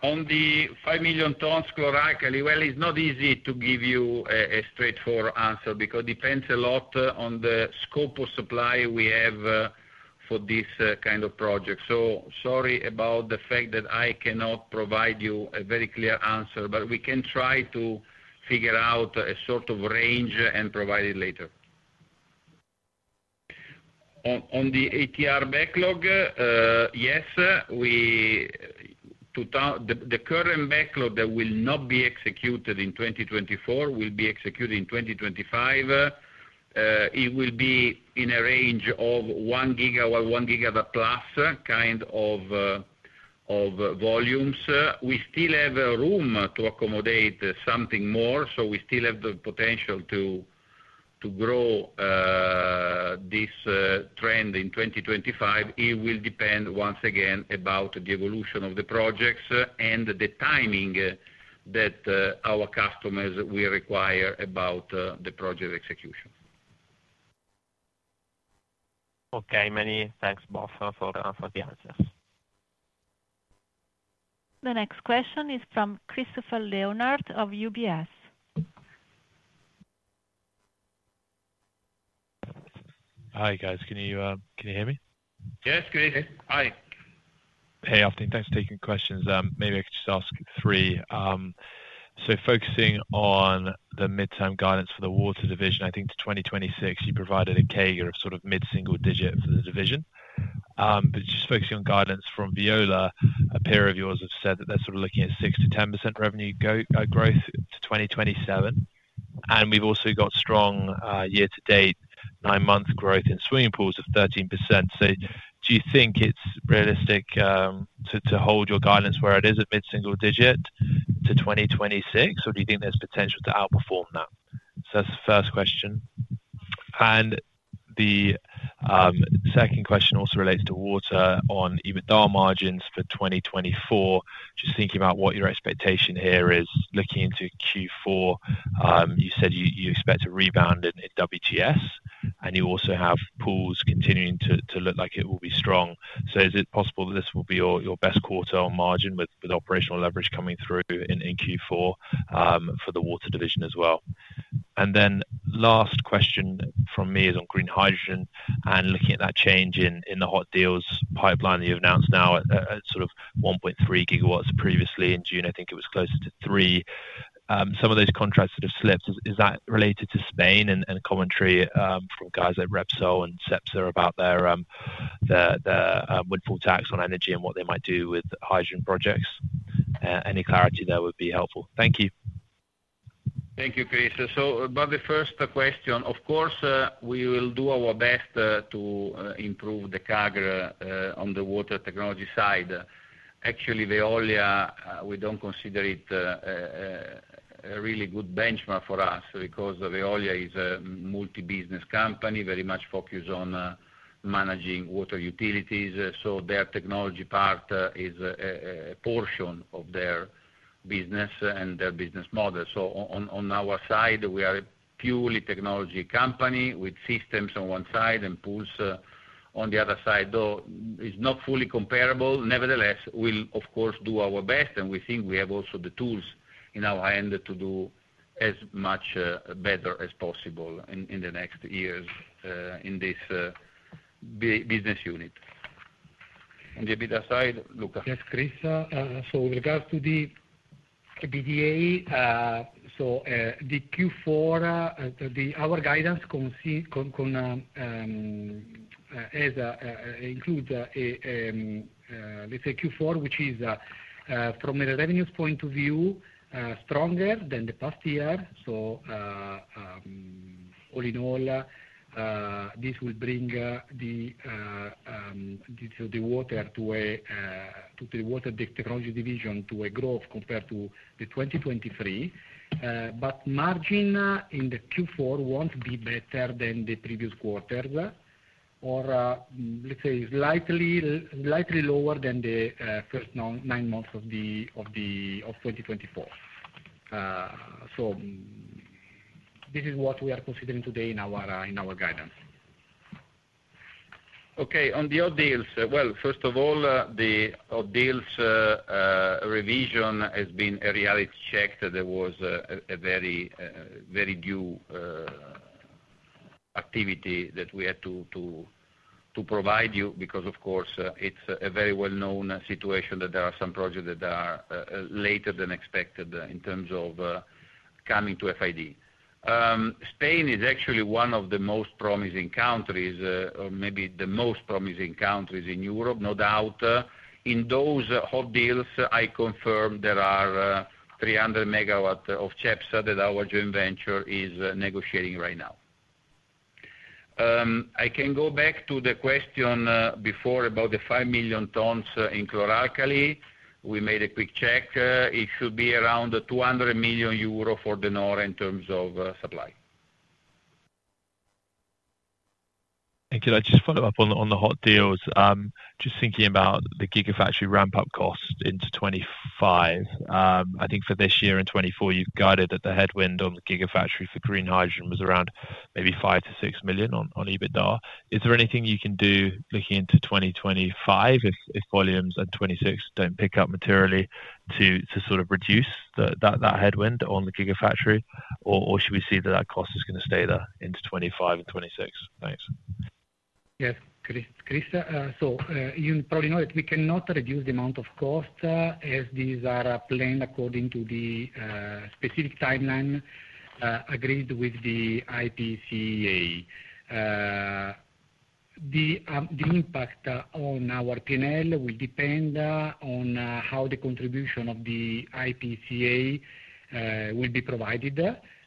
On the five million tons chlor-alkali, well, it's not easy to give you a straightforward answer because it depends a lot on the scope of supply we have for this kind of project. So sorry about the fact that I cannot provide you a very clear answer, but we can try to figure out a sort of range and provide it later. On the ET backlog, yes, the current backlog that will not be executed in 2024 will be executed in 2025. It will be in a range of 1 GW, 1 GW plus kind of volumes. We still have room to accommodate something more, so we still have the potential to grow this trend in 2025. It will depend, once again, on the evolution of the projects and the timing that our customers will require for the project execution. Okay, many thanks, both, for the answers. The next question is from Christopher Leonard of UBS. Hi, guys. Can you hear me? Yes, great. Hi. Hey, afternoon, thanks for taking questions. Maybe I could just ask three. So focusing on the midterm guidance for the water division, I think to 2026, you provided a CAGR of sort of mid-single-digit for the division. But just focusing on guidance from Veolia, a peer of yours have said that they're sort of looking at 6%-10% revenue growth to 2027. And we've also got strong year-to-date nine-month growth in swimming pools of 13%. So do you think it's realistic to hold your guidance where it is at mid-single-digit to 2026, or do you think there's potential to outperform that? So that's the first question. And the second question also relates to water on EBITDA margins for 2024. Just thinking about what your expectation here is, looking into Q4, you said you expect a rebound in WTS, and you also have pools continuing to look like it will be strong. So is it possible that this will be your best quarter on margin with operational leverage coming through in Q4 for the water division as well? And then last question from me is on green hydrogen and looking at that change in the Hot Deals pipeline that you've announced now at sort of 1.3 GW previously in June. I think it was closer to 3 GW. Some of those contracts that have slipped, is that related to Spain and commentary from guys at Repsol and Cepsa about their windfall tax on energy and what they might do with hydrogen projects? Any clarity there would be helpful. Thank you. Thank you, Chris. So about the first question, of course, we will do our best to improve the CAGR on the water technology side. Actually, Veolia, we don't consider it a really good benchmark for us because Veolia is a multi-business company, very much focused on managing water utilities. So their technology part is a portion of their business and their business model. So on our side, we are a purely technology company with systems on one side and pools on the other side. Though it's not fully comparable, nevertheless, we'll, of course, do our best, and we think we have also the tools in our hand to do as much better as possible in the next years in this business unit. On the EBITDA side, Luca? Yes, Chris. So with regard to the EBITDA, so the Q4, our guidance includes, let's say, Q4, which is, from a revenues point of view, stronger than the past year. So all in all, this will bring the water technology division to a growth compared to 2023. But margin in the Q4 won't be better than the previous quarter, or let's say slightly lower than the first nine months of 2024. So this is what we are considering today in our guidance. Okay, on the Hot Deals, well, first of all, the Hot Deals revision has been a reality check that there was a very high activity that we had to provide you because, of course, it's a very well-known situation that there are some projects that are later than expected in terms of coming to FID. Spain is actually one of the most promising countries, or maybe the most promising countries in Europe, no doubt. In those Hot Deals, I confirm there are 300 MW of Cepsa that our joint venture is negotiating right now. I can go back to the question before about the five million tons in chlor-alkali. We made a quick check. It should be around 200 million euro for the De Nora in terms of supply. Thank you. I'd just follow up on the Hot Deals. Just thinking about the Gigafactory ramp-up cost into 2025, I think for this year and 2024, you've guided that the headwind on the Gigafactory for green hydrogen was around maybe 5-6 million on EBITDA. Is there anything you can do looking into 2025 if volumes at 2026 don't pick up materially to sort of reduce that headwind on the Gigafactory, or should we see that that cost is going to stay there into 2025 and 2026? Thanks. Yes, Chris. So you probably know that we cannot reduce the amount of cost as these are planned according to the specific timeline agreed with the IPCEI. The impact on our P&L will depend on how the contribution of the IPCEI will be provided,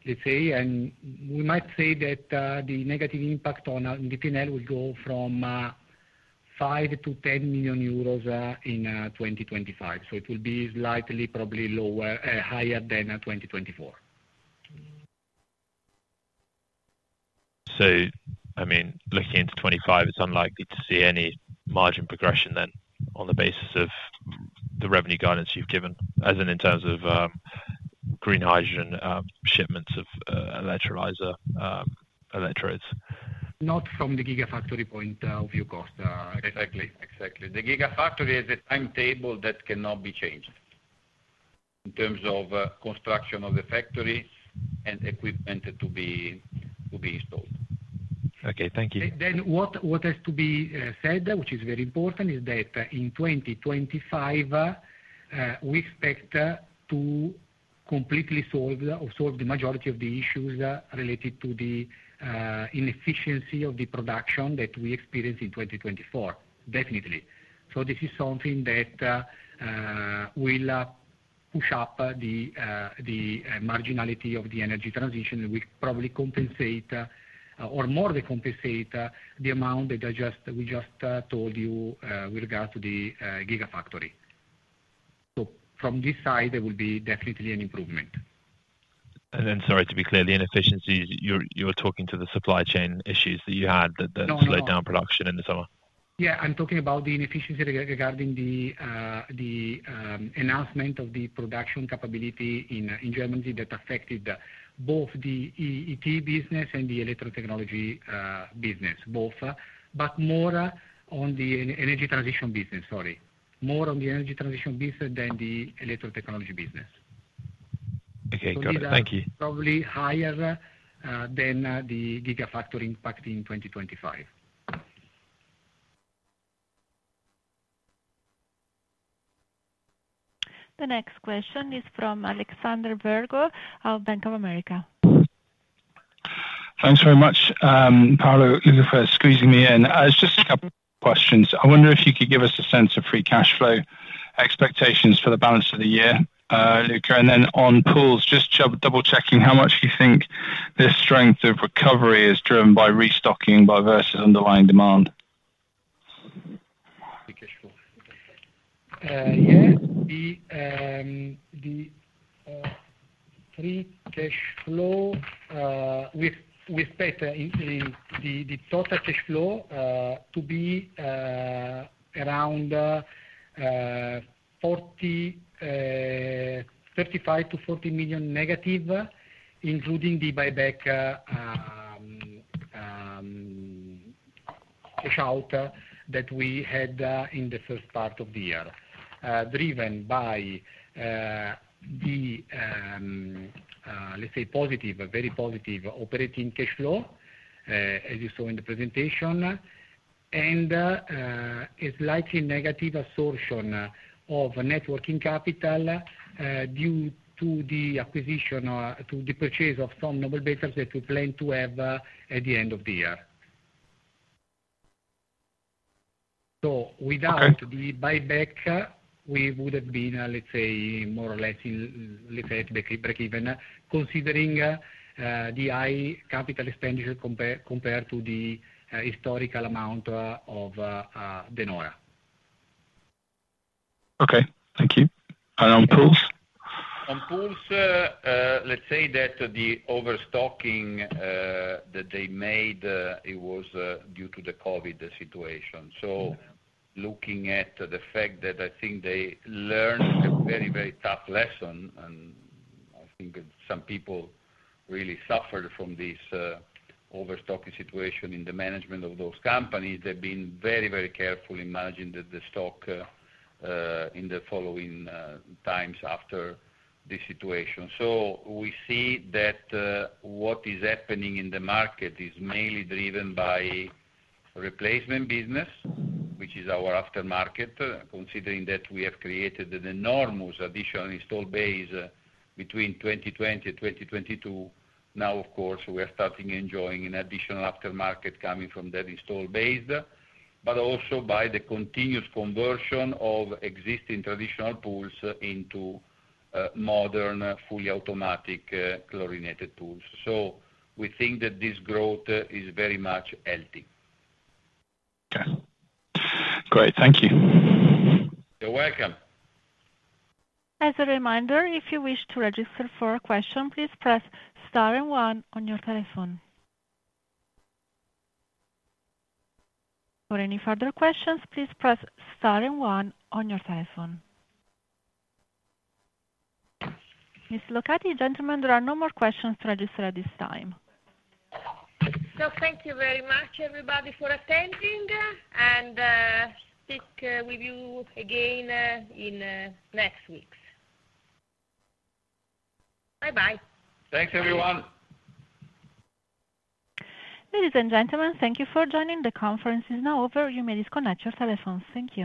let's say. And we might say that the negative impact on the P&L will go from 5-10 million euros in 2025. So it will be slightly probably higher than 2024. So, I mean, looking into 2025, it's unlikely to see any margin progression then on the basis of the revenue guidance you've given, as in terms of green hydrogen shipments of electrolyzer electrodes? Not from the Gigafactory point of view cost. Exactly. Exactly. The Gigafactory is a timetable that cannot be changed in terms of construction of the factory and equipment to be installed. Okay, thank you. Then what has to be said, which is very important, is that in 2025, we expect to completely solve the majority of the issues related to the inefficiency of the production that we experienced in 2024, definitely. So this is something that will push up the marginality of the energy transition. We probably compensate, or more than compensate, the amount that we just told you with regard to the Gigafactory. From this side, there will be definitely an improvement. And then, sorry to be clear, the inefficiencies, you were talking to the supply chain issues that you had that slowed down production in the summer. Yeah, I'm talking about the inefficiency regarding the announcement of the production capability in Germany that affected both the ET business and the electro-technology business, both, but more on the energy transition business, sorry. More on the energy transition business than the electro-technology business. Okay, got it. Thank you. Probably higher than the gigafactory impact in 2025. The next question is from Alexander Virgo of Bank of America. Thanks very much, Paolo, Luca, for squeezing me in. Just a couple of questions. I wonder if you could give us a sense of free cash flow expectations for the balance of the year, Luca. Then on pools, just double-checking how much you think this strength of recovery is driven by restocking versus underlying demand. Free cash flow. Yeah, the free cash flow, we expect the total cash flow to be around 35 million-40 million negative, including the buyback cash out that we had in the first part of the year, driven by the, let's say, positive, very positive operating cash flow, as you saw in the presentation. And a slightly negative variation of net working capital due to the acquisition, to the purchase of some noble metals that we plan to have at the end of the year. So without the buyback, we would have been, let's say, more or less in, let's say, at break-even, considering the high capital expenditure compared to the historical amount of De Nora. Okay, thank you. And on pools? On pools, let's say that the overstocking that they made, it was due to the COVID situation. So looking at the fact that I think they learned a very, very tough lesson, and I think some people really suffered from this overstocking situation in the management of those companies, they've been very, very careful in managing the stock in the following times after this situation. So we see that what is happening in the market is mainly driven by replacement business, which is our aftermarket, considering that we have created an enormous additional installed base between 2020 and 2022. Now, of course, we are starting enjoying an additional aftermarket coming from that installed base, but also by the continuous conversion of existing traditional pools into modern, fully automatic chlorinated pools. So we think that this growth is very much healthy. Okay. Great. Thank you. You're welcome. As a reminder, if you wish to register for a question, please press star and one on your telephone. For any further questions, please press star and one on your telephone. Ms. Locati, gentlemen, there are no more questions to register at this time. So thank you very much, everybody, for attending, and speak with you again in next weeks. Bye-bye. Thanks, everyone. Ladies and gentlemen, thank you for joining. The conference is now over. You may disconnect your telephones. Thank you.